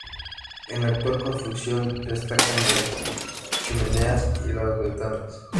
En la actual construcción destacan las chimeneas y las ventanas.